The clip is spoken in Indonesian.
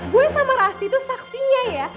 gue sama rasti itu saksinya ya